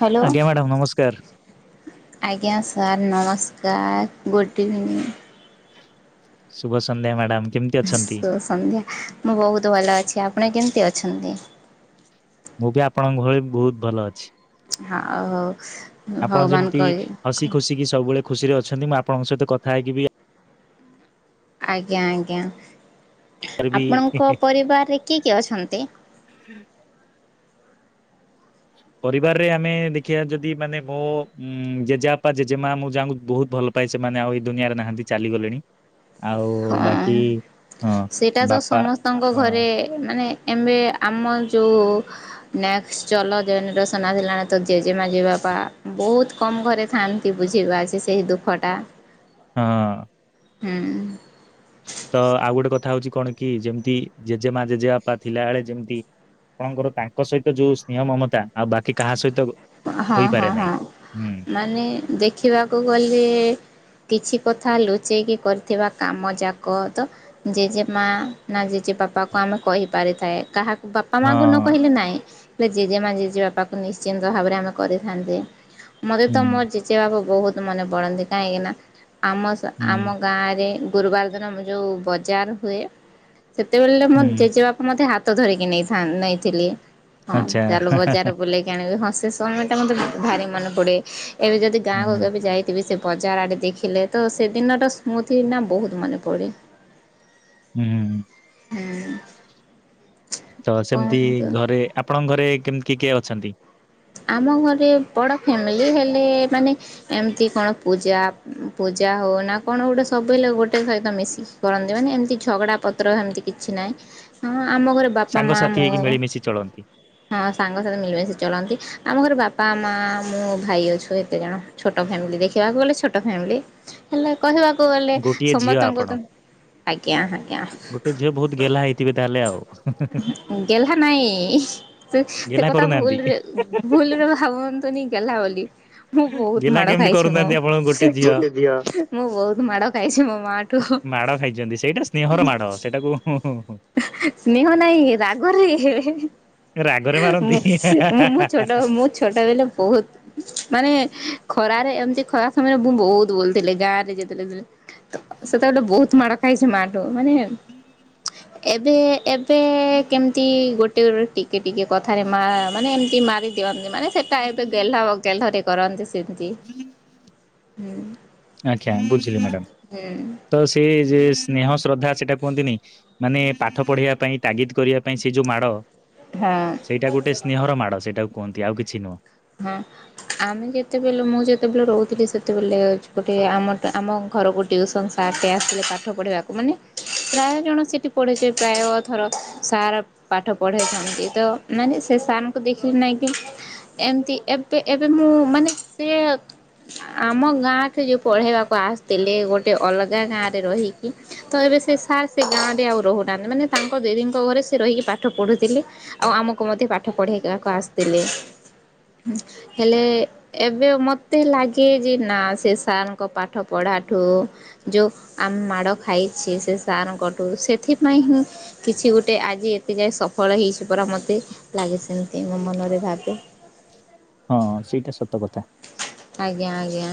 Hello ଆଜ୍ଞା madam ନମସ୍କାର- ଆଜ୍ଞା ସାର୍ ନମସ୍କାର ଗୁଡ଼୍ ଇଭିନିଂ- ସୁୁଭ ସନ୍ଧ୍ୟା ମ୍ୟାଡ଼ାମ କେମିତି ଅଛନ୍ତି? ସନ୍ଧ୍ୟା ମୁଁ ବହୁତ ଭଲ ଅଛି, ଆ- ଆପଣ କେମିତି ଅଛନ୍ତି। ମୁଁ ବି ଆପଣଙ୍କ ଭଳି ବହୁତ ଭଲ ଅଛି- ହ ଓଉ ଆପଣ ଭଗବାନ ଯେମିତି ହସି କହି- ଖୁସିିକି ସବୁବେଳେ ଖୁସିରେ ଅଛନ୍ତି ମୁଁ ଆପଣଙ୍କ ସହିତ କଥା ହେଇକିବି- ଆଜ୍ଞା ଆଜ୍ଞା ଆର ବି ଆପଣଙ୍କ ପରିବାରରେ କିଏ କିଏ ଅଛନ୍ତି? ପରିବାରରେ ଆମେ ଦେଖିବା ଯଦି ମାନେ ମୋ ଉ ଜେଜେବାପା ଜେଜେମା ମୁଁ ଯାହାଙ୍କୁ ବହୁତ ଭଲ ପାଏ। ସେମାନେ ଆଉ ଏଇ ଦୁନିଆରେ ନାହାନ୍ତି ଚାଲିଗଲେଣି ଆଉ ବାକି ହଁ ହଁ ସେଟା ତ ବାପା ସମସ୍ତଙ୍କ ହଁ ଘରେ ମାନେ ଏବେ ଆମ ଯେଉ ନେକ୍ସଟ ଚଲ ଜେନେରେସନ୍ ଆସିଲାଣି ତ ଜେଜେମା ଜେଜେ ବାପା ବହୁତ କମ ଘରେ ଥାଆନ୍ତି ବୁଝିିବା ସେହି ଦୁଃଖଟା ହଁ। ହୁଁ। ତ ଆଉ ଗୋଟେ କଥା ହଉଛି କଣ କି ଯେମିତି ଜେଜେ ମା ଜେଜେ ବାପା ଥିଲା ବଳେ ଯେମିତି ଆପଣଙ୍କର ତାଙ୍କ ସହିତ ଯୋଉ ସ୍ନେହ ମମତା ଆଉ ବାକି କାହା ସହିତ ହଁ ହୋଇପାରେ ହଁ ନାହିଁ। ହଁ ହୁଁ ମାନେ ଦେଖିବାକୁ ଗଲେ କିଛି କଥା ଲୁଚେଇକି କରିଥିବା କାମ ଯାକ ତ ଜେଜେ ମା ନା ଜେଜେ ବାପାକୁ ଆମେ କହିପାରିଥାଏ କାହାକୁ ବାପା ମାଙ୍କୁ ନ ହଁ କହିଲୁ ନାଇଁ ଜେଜେମା ଜେ ବାପାକୁ ନିଶ୍ଚିନ୍ତ ଭାବରେ ଆମେ କରିଥାନ୍ତି। ମତେ ତ ହୁଁ ମୋ ଜେଜେ ବାବୁ ବହୁତ ମନେ ପଡନ୍ତି କାହିଁକି ନା ଆମ ହୁଁ ଆମଗାଁରେ। ଗୁରୁବାର ଦିନ ମୁଁ ଯେଉଁ ବଜାର ହୁଏ। ସେତେବେଳେ ମୋ ହୁଁ ଜେଜେବାପା ମୋତେ ହାତ। ତ ଧରିକି ନେଇଥା ନେଇଥିଲି। ହଁ ଆଚ୍ଛା ତାହଲଲେ ବଜାର ବୁଲେଇକି ଆଣିବି ହଁ। ସେ ସମୟ ଟା ମତେ ଭାରି ମନେ ପଡେ। ଏବେ ଯଦି ଗାଁକୁ ହୁଁ କେବେ ଯାଇଥିବି ସେ। ବଜାର ଆଡ଼େ ଦେଖିଲେ ତ ସେଦିନରା ସ୍ମୃତି ନା ବହୁତ ମନେ ପଡ଼େ। ହୁଁ ହୁଁ। ହୁଁ। ତ ସେମତି କୁହନ୍ତୁ ଘରେ ଆପଣଙ୍କ ଘରେ କେମ କି କିଏ ଅଛନ୍ତି। ଆମ ଘରେ ବଡ ଫ୍ୟାମିଲି ହେଲେ ମାନେ ଏମିତି କଣ ପୂଜା ପୂଜା ହଉ ନା କଣ ଗୋଟେ ସବୁଲେ ଗୋଟେ ସହିତ ମିଶିକି କରନ୍ତି ମାନେ ଏମିତି ଝଗଡା ପତ୍ର ଏମିତି କିଛି ନାହିଁ ହଁ। ଆମ ଘରେ ବାପା ମା ସାଙ୍ଗସାଥି ମୋ ହେଇକି ମିଳିମିଶି ଚଳନ୍ତି ହଁ ସାଙ୍ଗସାଥି ମିଳିମଶି ଚଳନ୍ତି। ଆମ ଘର ବାପା ମା ମୁଁ ଭାଇ ଅଛୁ ଏତେ ଜଣ ଛୋଟ ଫ୍ୟାମିଲି ଦେଖିବାକୁ ଗଲେ ଛୋଟ ଫ୍ୟାମିଲି ହେଲେ କହିବାକୁ। ଗଲେ ଗୋଟିଏ ଝିଅ ସମସ୍ତଙ୍କୁ ତ ଆପଣ ଆଜ୍ଞା ଆଜ୍ଞା ଗୋଟଏ ଝିଅ ବହୁତ ଗେଲ୍ହା ହେଇଥିବେ ତାହେଲେ ଆଉ। ଗେଲ୍ହା ନାଇଁ ସେ ସେ ଗେହ୍ଲା କଥା କରୁନାହାନ୍ତି ଭୁଲରେ ଭୁଲରେ ଭାବନ୍ତୁନି ଗେଲା ବୋଲି ମୁଁ ବହୁତ ଗେହ୍ଲା ମାଡ କେମିତି ଖାଇଛି ମୁଁ କରୁନାହାନ୍ତି ଆପଣ ଗୋଟେ ଝିଅ ମୁଁ ବହୁ । ମାଡ ଖାଇଛନ୍ତି ସେଇଟା ସ୍ନେହର ମାଡ ସେଇଟାକୁ ସ୍ନେହ ନାଇଁ ରାଗରେ ରାଗରେ ମାରନ୍ତି ମୁଁ ଛୋଟ ମୁଁ ଛୋଟ ବଳେ ବହୁତ ମାନେ ଖରାରେ ଏମତି ଖରାପ ସମୟରେ ମୁଁ ବହୁତ ବୋଲଥିଲି ଗାଁ ରେ ଯେତେଲେ ଥି ତ ସେତେବେଳେ ବହୁତ ମାଡ଼ କାଇସୁମାନ ତ ମାନେ ଏବେ ଏବ୍ ପେ କେମତି ଗୋ ପ୍ୟୁରିଟି କେ ଟିକେ କଥାରେ ମା ମାନେ ଏମିତି ମାରି ଦିଅନ୍ ମାନେ ସେଟା ଏବେ ଗେଲ୍ହାଅ ଗେଲ୍ହରେ କରନ୍ତି ସ୍ ସେ ଧୀରେ ହୁଁ। ଆଚ୍ଛା ବୁଝିଲି ମ୍ୟାଡାମ ହୁଁ ତ ସେଇ ଯେ ସ୍ନେହ ଶ୍ରଦ୍ଧା ସେଟା କୁହନ୍ତିନେଇ ମାନେ ପାଠ ପଢେଇବା ପାଇଁ ତାଗିଦ କରିବା ପାଇଁ ସେ ଯୋଉ ମାଡ଼ ହଁ। ସେଇଟା ଗୋଟେ ସ୍ନେହର ମାଡ଼ ସେଇଟାକୁ କୁହନ୍ତି ଆଉ କିଛି ନୁହଁ। ହଁ ଆମେ ଯେତେବେଲୁ ମୁଁ ଯେତୋବେଳେ ରହୁଥିଲି ସେତୋବେଲେ ଗୋଟେ ଆମରଟା ଆମ ଘରକୁ ଟ୍ୟୁସନ୍ ସାରଟେ ଆସିିଥିଲେ ପାଠ ପଢେଇବାକୁ ମାନେ ପ୍ରାୟ ଜଣ ସେଠି ପଢିଚେ ପ୍ରାୟ ଥର ସାର୍ ପାଠ ପଢ଼େଇଥାଆନ୍ତି। ତ ମାନେ ସେ ସାରଙ୍କୁ ଦେଖିକି ନାଇଁ କି ଏମତି ଏବେ ଏବେ ମୁଁ ମାନେ ସେ ଆମ ଗାଁକେ ଯୋଉ ପଢ଼େଇବାକୁ ଆସଥିଲେ ଗୋଟେ ଅଲଗା ଗାଁରେ ରହିକି। ତ ଏବେ ସେ ସାର୍ ସେ ଗାଁରେ ଆଉ ରହୁନାହାନ୍ତି ମାନେ ତାଙ୍କ ଦିଦିଙ୍କ ଘରେ ସେ ରହିକି ପାଠ ପଢ଼ୁଥିଲେ ଆଉ ଆମୁକୁ ମଧ୍ୟ ପାଠ ପଢ଼େଇଆକୁ ଆସଥିଲେ। ଉଁ ହେଲେ ଏବେ ମତେ ଲାଗେ ଯେ ନାଁ ସେ ସାରଙ୍କ ପାଠ ପଢାଠୁ ଯୋଉ ଆମେ ମାଡ ଖାଇଚେ ସେ ସାରଙ୍କଠୁ ସେଥିପାଇଁ ହିଁ କିଛି ଗୋଟେ ଆଜି ଏତେ ଯାଏ ସଫଳ ହେଇଛୁ ପରା ମତେ ଲାଗେ ସେମିତି ମୋ ମନରେ ଭାବେ। ହଁ ସେଇଟା ସତ କଥା। ଆଜ୍ଞା ଆଜ୍ଞା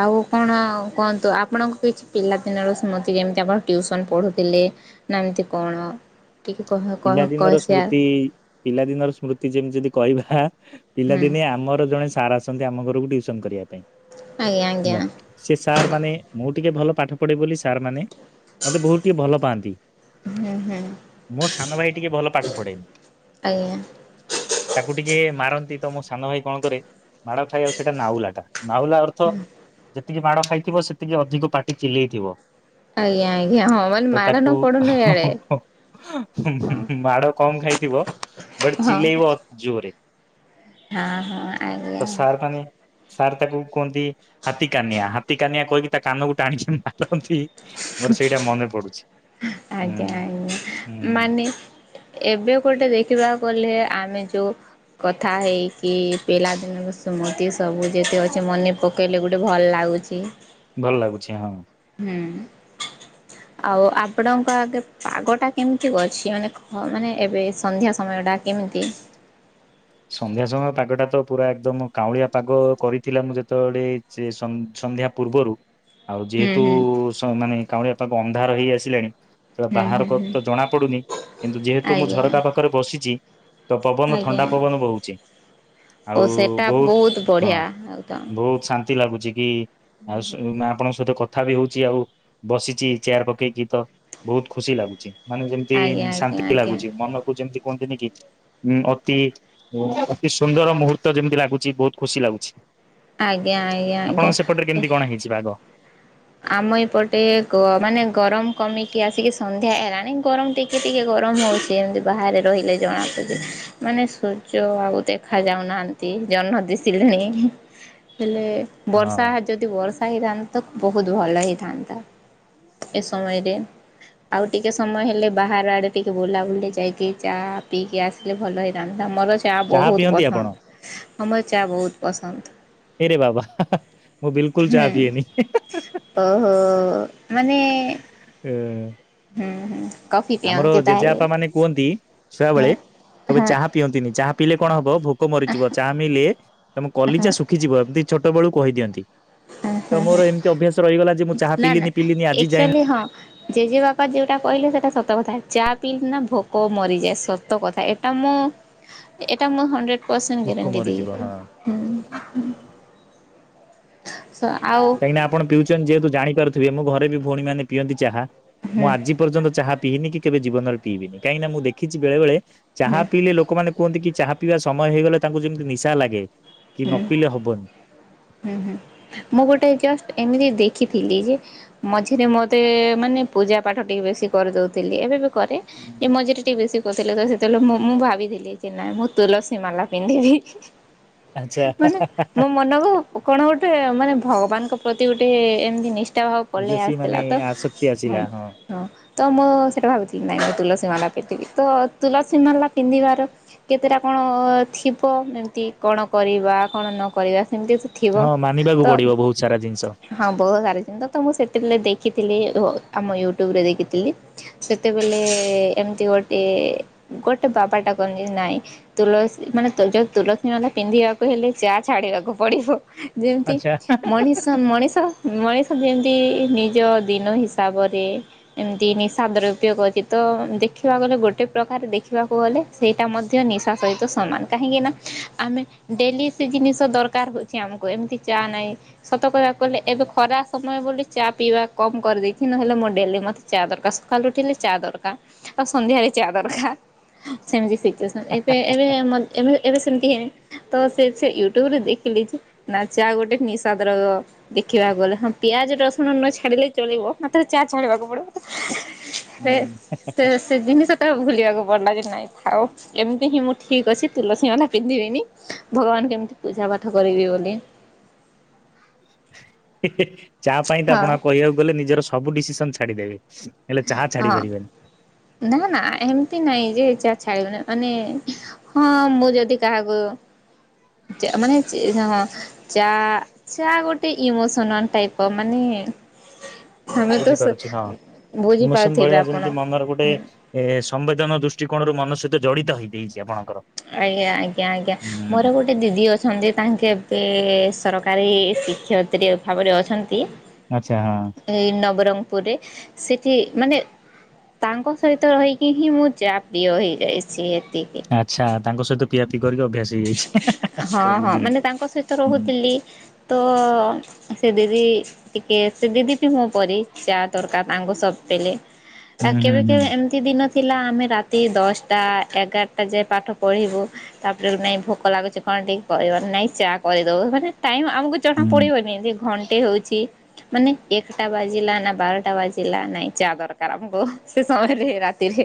ଆଉ କଣ କୁହନ୍ତୁ। ଆପଣଙ୍କ କିଛି ପିଲାଦିନର ସ୍ମୃତି ଯେମତି ଆପଣ ଟିଉସନ ପଢ଼ୁଥିଲେ ନାଁ ଏମିତି କଣ ଟିକେ କହ କହ କହ ପିଲାଦିନର ସେୟାର ସ୍ମୃତି ପିଲାଦିନର ସ୍ମୃତି ଯେମତି ଯଦି କହିବା ହା ହୁଁ ପିଲାଦିନେ ଆମର ଜଣେ ସାର୍ ଆସନ୍ତି ଆମ ଘରୁକୁ ଟିଉ ସନ୍ କରିବା ପାଇଁ ଆଜ୍ଞା ଆଜ୍ଞା ହେଲା ସେ ସାର୍ ମାନେ ମୋ ଟିକେ ଭଲ ପାଠ ପଢେ ବୋଲି ସାରମାନେ ମତେ ବୋହୁତ ଟିକେ ଭଲ ପାଆନ୍ତି। ହୁଁ ହୁଁ। ମୋ ସାନ ଭାଇ ଟିକେ ଭଲ ପାଠ ପଢେନି ଆଜ୍ଞା। ତାକୁ ଟିକେ ମାର ନ୍ତି ତ ମୋ ସାନ ଭାଇ କଣ କରେ ମାଡ଼ ଖାଇ ଆଉ ସେଟା ନାହୁଲାଟା ନାହୁଲା ଅର୍ଥ ତିକି ମାଡ଼ ଖାଇଥିବ ସେତିକି ଅଧିକ ପାଟି ଚିଲେଇଥିବ ଆଜ୍ଞା ଆଜ୍ଞା ହଁ ମାନେ ତ ମାଡ଼ ତାକୁ ନ ପଡୁନୁ ଇଆଡେ ମାଡ କମ ଖାଇଥିବ ବଟ ହଁ ଚିଲେଇବ ଜୋରେ। ହଁ ହଁ ଆଜ୍ଞା। ତ ସାର୍ ମାନେ ସାର୍ ତାକୁ କୁହନ୍ତି ହାତୀ କାନିଆ ହାତୀ କାନିଆ କହକି ତା କାନକୁ ଟାଣିଛନ୍ତି ତାପ ମୋର ସେଇଟା ମନେ ପଡୁଛି ହୁଁ ହୁଁ। ନେ ଏବେ ଗୋଟେ ଦେଖିବାକୁ ଗଲେ ଆମେ ଯେଉଁ କଥା ହେଇକି ପିଲାଦିନ ସ୍ମୃତି ସବୁ ଯେତେ ଅଛି ମନେ ପକେଇଲେ ଗୋଟେ ଭଲ ଲାଗୁଚି। ଭଲ ଲାଗୁଛି ହଁ। ହୁଁ ଆ, ଉ ଆପଣଙ୍କ ଆଡେ ପାଗଟା କେମିତି ଅଛି ମାନେ ମାନେ ଏବେ ସନ୍ଧ୍ୟା ସମୟ ଟା କେମିତି। ସନ୍ଧ୍ୟା ସମୟ ପାଗଟା ତ ପୁରା ଏକଦମ କାଉଁଳିଆ ପାଗ କରିଥିଲା ମୁଁ ଯେତେବେଳେ ସନ୍ଧ୍ୟା ପୂର୍ବରୁ। ଆଉ ହୁଁ ଯେହେତୁ ହୁଁ ସ ମାନେ କାଉଁଳିଆ କୁ ଅନ୍ଧାର ହେଇ ଆସିଲାଣି। ସେ ହୁଁ ହୁଁ ବାହାରକୁ ହୁଁ ତ ଜଣା ପଡୁନି କିନ୍ତୁ ଯେହେତୁ ମୁଁ ଆଜ୍ଞା ଝରକା ପାଖରେ ବସିଚି। ତ ପବନ ଆଜ୍ଞା ଥଣ୍ଡା କହୁଛି ଓ ସେଟା ବହୁତ ବଢିଆ ଆଉ ତ। ବହୁତ ଶାନ୍ତି ଲାଗୁଛି କି ହୁଁ ଆଉ ସ ହୁଁ ଆପଣଙ୍କ ସହିତ କଥା କଥା ବି ହଉଛି ଆଉ ବସିଛି ଚେୟାର ପକେଇକି ତ ବହୁତ ଖୁସି ଲାଗୁଛି। ମାନେ ଯେମିତି ଆଜ୍ଞା ଆଜ୍ଞା ଶାନ୍ତି ଆଜ୍ଞା ଲାଗୁଛି ମନକୁ ଯେମତି କୁହନ୍ତିନି କି ଉଁ ଅତି ଓ ଅତି ସୁନ୍ଦର ମୁହୂର୍ତ୍ତ ଯେମିତି ଲାଗୁଛି ବହୁତ ଖୁସି ଲାଗୁଛି। ଆଜ୍ଞା ଆଜ୍ଞା ଆପଣଙ୍କ ସେପଟରେ ଆଜ୍ଞା କେମିତି କଣ ହେଇଛି ପାଗ। ଆମ ଏପଟେ ଗ ମାନେ ଗରମ କମିକି ଆସିକି ସନ୍ଧ୍ୟା ହେଲାଣି ଗରମ ଟିକେ ଟିକେ ଗରମ ହଉଛି ଏମିତି ବାହାରେ ରହିଲେ ଜଣା ପଡ଼ୁଛି ମାନେ ସୂର୍ଯ୍ୟ ଆଉ ଦେଖା ଯାଉନାହାନ୍ତି ଜହ୍ନ ଦିଶିଲେଣି ହେଲେ ବର୍ଷା ହଁ ଯଦି ବର୍ଷା ହେଇଥାନ୍ତେ ତ ବହୁତ ଭଲ ହେଇଥାନ୍ତା ଏ ସମୟରେ ଆଉ ଟିକେ ସମୟ ହେଲେ ବାହାର ଆଡ଼େ ଟିକେ ବୁଲାବୁଲି ଯାଇକି ଚା-ଆ-ଆ ପିଇକି ଆସିଲେ ଭଲ ହେଇଥାନ୍ତା ମୋର ଚା ଚାହା ବହୁତ ପିଅନ୍ତି ଆପଣ? ପସନ୍ଦ। ମତେ ଚା ବହୁତ ପସନ୍ଦ। ଏରେ ବାବା ମୁଁ ବିଲକୁଲ ଚା ହୁଁ ପିଏନି। ଓହୋ। ମାନେ ହୁଁ ହୁଁ। କଫି ଆମର ପିଅନ୍ତି ତାହେଲେ ଜେଜେବାପା ମାନେ କୁହନ୍ତି। ହଁ ଛୁଆବେଳେ କେବେ ହଁ ଚାହା ପିଅନ୍ତିନି, ଚାହା ପିଇଲେ କଣ ହବ ଭୋ ଭୋକ ମରିଯିବ ଚା ପିଇଲେ ତମେ କଲିଚା ଶୁଖିଯିବ, ଏମତି ଛୋଟବେଳୁ କହିଦିଅନ୍ତି। ତ ମୋର ଏମିତି ଅଭ୍ୟାସ ରହିଗଲା ଯେ ମୁଁ ଚାହା ନା ନା ପିଲିନି ପିଲିନି ଆଜି ଯାଏ ଏକ୍ଚୁଆଲି ହଁ ଜେଜେ ବାପା ଯୋଉଟା କହିଲେ ସେଟା ସତ କଥା ଚା ପିଇଲେ ନା ଭୋକ ମରିଯାଏ ସତ କଥା ଏଟା ମୁଁ ଏଟା ମୁଁ ହଣ୍ଡରେଡ ପରସେଣ୍ଟ ଭୋକ ଗାରଣ୍ଟି ମରିଯିବ ଦେଇ କହିମି ହୁଁ ହୁଁ। ହଁ। ଆଉ କାଇଁକି ନା ଆପଣ ପିଉଛନ୍ତି ଯେହେତୁ। ଜାଣି ପାରୁଥିବେ ମୋ ଘରେ ବି ଭଉଣୀ ମାନେ ପିଅନ୍ତି ଚାହା। ମୁଁ ହୁଁ ଆଜି ପର୍ଯ୍ୟନ୍ତ ଚାହା। ପିନି କି କେବେ ଜୀବନରେ ପିଇବିନି କାହିଁକି ନା ମୁଁ ଦେଖିଛି ବେଳେବେଳେ। ହୁଁ ଚାହା ପିଇଲେ ଲୋକମାନେ। କୁହନ୍ତି କି ଚାହା ପିଇବା ସମୟ ହେଇଗଲେ ତାଙ୍କୁ ଯେମିତି ନିଶା ଲାଗେ। କି ନ ପିଇଲେ ହବନି। ହୁଁ ହୁଁ ମୁଁ ଗୋଟେ ଜଷ୍ଟ ଏମିତି ଦେଖିଥିଲି ଯେ ମଝିରେ ମୋତେ-ତେ-ତେ ମାନେ ପୂଜା ପାଠ ଟିକେ ବେଶୀ କରିଦେଉଥିଲି ଏବେ ବି କରେ ହୁଁ। ମଝିରେ ଟିକେ ବେଶୀ କଥିଲେ ତ ସେତେବେଳେ ମୁଁ ମୁଁ ଭାବିଥିଲି ଯେ ନାଇଁ ମୁଁ ତୁ ଲସୀ ମାଲା ପିନ୍ଧିବି ଆଚ୍ଛା ମାନେ ମୋ ମନକୁ କଣ ଗୋଟେ ମାନେ ଭଗବାନଙ୍କ ପ୍ରତି ଗୋଟେ ଏମତି ନି- ଭାବ ପଲେଇ ବେଶୀ ମାନେ ଆସିଲା ତ ଆସକ୍ତି ହଁ ଆସିଲା ହଁ ତ ମୁଁ ସେଇଟା ଭାବୁଥିଲି ନାହିଁ ମୁଁ ତୁଲସୀ ମାଲା ପିନ୍ଧିବି ତ ତୁଲସୀ ମାଲା ପିନ୍ଧିବାର କେତେଟା କଣ ଥିବ ଏମିତି କଣ କରିବା କଣ ନ କରିବା? ସେମତି ଥିବ ହଁ ମାନିବାକୁ ତ ପଡିବ ବହୁତ ସାରା ଜିନିଷ ହଁ ବହୁତ ସାରା ଜିନିଶ ତ ମୁଁ ସେତିକି ଦେଖିଥିଲି ଆମ ୟୁଟ୍ୟୁବରେ ଦେଖିଥିଲି ସେତେବେଲେ ଏମିତି ଗୋଟେ ଗୋଟେ ବାବାଟା କ ନାଇଁ ତୁଲସୀ ମାନେ ଜଉ ତୁଲ ମାନେ ପିନ୍ଧିବାକୁ ହେଲେ ଚା ଛାଡିବାକୁ ପଡିବ। ଯେମିତି ଆଚ୍ଛା। ମଣିଷ ମଣିଷ ମଣିଷ ଯେମିତି ନିଜ ଦିନ ହିସାବରେ ଏମିତି ନିଶା ଦ୍ରବ୍ୟ ବ୍ୟତିତ ଦେଖିବାକୁ ଗଲେ ଗୋଟେ ପ୍ରକାର ଦେଖିବାକୁ ଗଲେ ସେଇଟା ମଧ୍ୟ ନିଶା ସହିତ ସମାନ କାହିଁକିନା ଆମେ ଡେଲି ସେ ଜିନିଷ ଦରକାର ହେଉଛି, ଆମକୁ ଏମିତି ଚା ନାହିଁ ସତ କହିବାକୁଗଲେ ଏବେ ଖରା ସମୟ ବୋଲି ଚା ପିଇବା କମ କରିଦେଇଛି ନହେଲେ ମୋ ଡେଲି ମୋତେ ଚା ଦରକାର ସକାଳୁ ଉଠିଲେ ଚା ଦରକାର ଆଉ ସନ୍ଧ୍ୟାରେ ଚା ଦରକାର ସେମିତି ସେ ଏବେ ଏବେ ଏବେ ଏବେ ସେମିତି ହେନ ତ ସେ ସେ ୟୁଟ୍ୟୁବରେ ଦେଖିଲି ଯେ ନା ଚା ଗୋଟେ ନିଶାଦ୍ରବ୍ୟ ଦେଖିବାକୁ ଗଲେ ହଁ ପିଆଜ ରସୁଣ ନ ଛାଡିଲେ ଚଲିବ ମତେ ଚା ଛାଡ଼ିବାକୁ ପଡିବ ହୁଁ। ସେ ସେ ଜିନିଷ ତ ଭୁଲିବାକୁ ପଡିଲା କି ନାଇଁ। ହଉ ଏମିତି ହିଁ ମୁଁ ଠିକ୍ ଅଛି ତୁଲସୀ ମାଲା ପିନ୍ଧିବିନି ଭଗବାନ କେମିତି ପୂଜା ପାଠ କରିବି ବୋଲି [inaudible] ଚା ପାଇଁ ତ ହଁ ଆପଣ କହିବାକୁ ଗଲେ ନିଜର ସବୁ ଡିସିସନ ଛାଡ଼ି ଦେବେ। ହଁ ନା ନା ଏମିତି ନାଇଁ ଯେ ଚା ଛାବନି ମାନେ ହଁ ମୁଁ ଯଦି କାହାକୁ ମାନେ ହଁ ଚା ଚା ଗୋଟେ ଇମୋସନାଲ ଟାଇପ ମାନେ। ଆମେ ତ। ବୁଝିପାରୁଛି ହଁ। ଇମୋସନ ବୁଝିପାରୁଥିବେ ଭଳିଆ ଆପଣ ଯେମତି ମନର ଗୋଟେ। ହୁଁ ସମ୍ବେଦନ ଦୃଷ୍ଟିକୋଣରୁ ମନ ସହିତ ଜଡ଼ିତ ହୋଇ ଦେଇେଇଛି ଆପଣଙ୍କ। ଆଜ୍ଞା ଆଜ୍ଞା ଆଜ୍ଞା ମୋର ଗୋଟେ ଦିଦି ଅଛନ୍ତି ତାଙ୍କେ। ଏ ସରକାରୀ ଶିକ୍ଷୟିତ୍ରୀ ଭାବରେ ଅଛନ୍ତି। ଆଛା ହଁ। ଏଇ ନବରଙ୍ଗପୁରରେ ସେଠି ମାନେ ତାଙ୍କ ସହିତ ରହିକି ହିଁ ମୁଁ ଯା ପ୍ରିୟ ହେଇଯାଇଛି। ଏତିକି ଆଛା ତାଙ୍କହିତ ପିଆ ପି ହଁ ହଁ ମାନେ ତାଙ୍କ ସହିତ ହୁଁ ରହୁଥିଲି ତ ସେ ଦିଦି। ଟିକେ ସେ ଦିଦି ପ ମୁଁ ପ ଚା ତରକାରୀ ତାଙ୍ଗ ସବ ପଲେ [unintelligible] ହୁଁ ଆଉ କେବେ ହୁଁ କେବେ ଏମିତି ଦିନ। ଥିଲା ଆମେ ରାତି ଦଶଟା ଏଗାରଟା ଯାଏ ପାଠ ପଢ଼ିବୁ, ତାପ ନାଇଁ, ଭୋକ ଲାଗୁଛି କଣ ଟିକ କରିବାର ନାଇଁ ଚା କରିଦବୁ ମାନେ ଟାଇ ଆମକୁ ଜଣା ହୁଁ ପଡିବନି ଦି ଘ ଗୋେ ହଉଛି ମାନେ ଏକଟା ବାଜିଲା ନା ବାରଟା ବାଜିଲା ନାଇଁ ଯ ଦରକାର ଆମକୁ ସେ ସମୟରେ ରାତିରେ।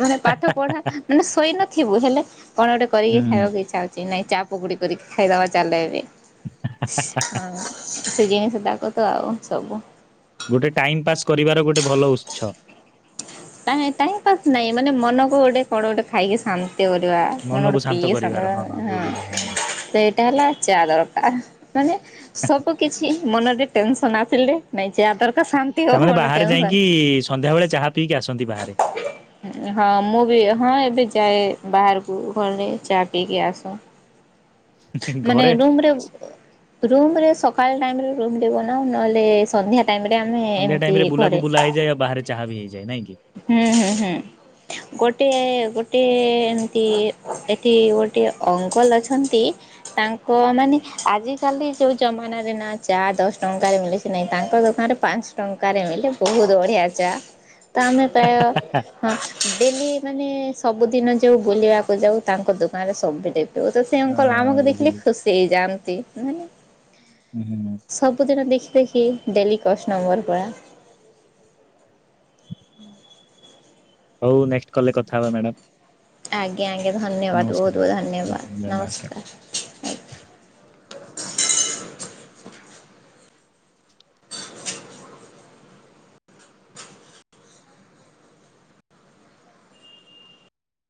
ମାନେ ହା ପାଠ ହା ପଢା ହା ମାନେ ଶୋଇ ନଥିବୁ ହେଲେ କଣ ଗୋଟେ। ସ ହୁଁ। ଖାଇବାକୁ ଇଛାହଉଛି। ନାଇଁ ଚା ପକୁଡି କରିକି ଖାଇଦବା ଚାଲ ଏବେ। ହଁ। ସେ ଜିନିଷ ତାକୁ ତ ଆଉ ସବୁ ଗୋଟେ ଟାଇମ୍ ପାସ୍ କରିବାର ଗୋଟେ ଭଲ ଉତ୍ସ। ନାଇଁ ଟାଇମ ପାସ୍ ନାଇଁ ମାନେ ମନ କୁ ଗୋଟେ କଣ ଗୋଟେ ଖାଇକି ଶା କରିବା କଣ ମନକୁ ଗୋଟେ ପି, ଶାନ୍ତ ହଁ କରିବାର ବୁଝିଲି ହଁ। ସେ ଏଇଟା ହେଲା ଚା ଦରକାର ମାନେ ସବୁ କିଛି। ମନରେ ଟେନସନ୍ ଆସିଲେ ନାଇଁ ଯା ତର ତାମାନେ ବାହାରେ ଯାଇକି ସନ୍ଧ୍ୟା ବେଳେ ଚାହା ପିଇକି ଆସ ହଁ ମୁଁ ବି ହଁ ଏବେ ଯାଏ ବାହାରକୁ ଘରେ ଚା ପିଇକି ଆସ। ମାନେ ଘରେ ରୁମ୍ ରେ ରୁମ୍ ରେ ସକାଳ ଟାଇମ୍ ରେ ବନାଉ ନହେଲେ ସନ୍ଧ୍ୟା ଟାଇମ୍ ରେ ଆମେ ସନ୍ଧ୍ୟା ଟାଇମ ଏମିତି ରେ ବୁଲାକୁ ଘରେ, ବୁଲା ହେଇଯାଏ ଆଉ ବାହାରେ ଚାହା ବି ହେଇଯାଏ ନାଇଁ କି। ହୁଁ ହୁଁ ହୁଁ ଗୋଟିଏ ଗୋଟିଏ ଏମିତି ଏଠି ଗୋଟିଏ ଅଙ୍କଲ ଅଛନ୍ତି ତାଙ୍କ ମାନେ ଆଜିକାଲି ଯୋଉ ଜମାନାରେ ନା ଚା ଦଶ ଟଙ୍କାରେ ମିଳୁଚି ନାଇଁ ତାଙ୍କ ଦୋକାନରେ ପାନ୍ସ ଟଙ୍କାରେ ମିଲେ ବହୁତ ବଢ଼ିଆ ଚା। ତ ଆମେ ପ୍ରାୟ ହଁ ଉଁ, ଡେଲି ମାନେ ସବୁଦିନ ଯୋଉ ବୁଲିବାକୁ ଯାଉ ତାଙ୍କ ଦୋକାନରେ ସବିଡେ ତ ତ ସେ ଅଙ୍କଲ ହଁ ଆମକୁ ଦେଖିଲେ ବୁଝିଲି ଖୁସି ହେଇଯାଆନ୍ ନ୍ତି ମାନେ ହୁଁ ସବୁଦିନ ଦେଖି ଦେଖି ଡେଲି କଷ୍ଟମର୍ ପରା। ହଉ ନେଷ୍ଟ କଲ୍ ରେ କଥା ହବା ମ୍ୟାଡ଼ାାମ। ଆଜ୍ଞା ଆଜ୍ଞା ଧନ୍ୟବାଦ ବହୁତ ବହୁତ ଧନ୍ୟବାଦ, ନମସ୍କାର ଆ